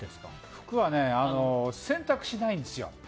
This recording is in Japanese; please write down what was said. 服は、洗濯しないんですよ。